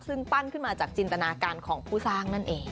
ซึ่งปั้นขึ้นมาจากจินตนาการของผู้สร้างนั่นเอง